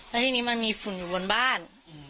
แล้วทีนี้มันมีฝุ่นอยู่บนบ้าน